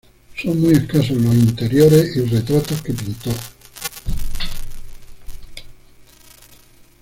Son muy escasos los interiores y retratos que pintó.